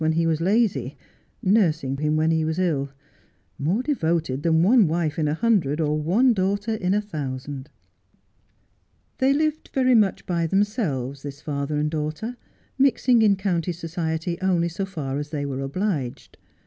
15 when he was lazy, nursing him when lie was ill, more devoted than one wife in a hundred or one daughter in a thousand. They lived very much by themselves, this father and daughter, mixing in county society only so far as they were obliged.